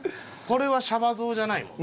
これはシャバ僧じゃないの？